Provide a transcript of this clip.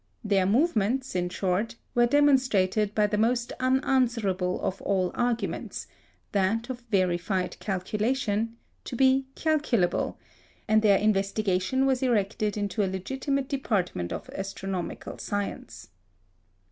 Their movements, in short, were demonstrated by the most unanswerable of all arguments that of verified calculation to be calculable, and their investigation was erected into a legitimate department of astronomical science.